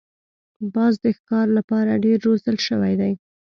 باز د ښکار لپاره ډېر روزل شوی دی